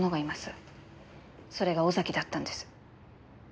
それが尾崎だったんです。